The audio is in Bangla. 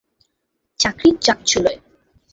চাকরি যাক চুলোয়।